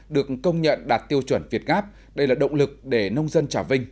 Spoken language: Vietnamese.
được công nhận đạt tiêu chuẩn việt gáp đây là động lực để nông dân trà vinh